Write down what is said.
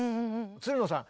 つるのさん